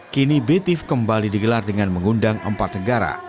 kini btif kembali digelar dengan mengundang empat negara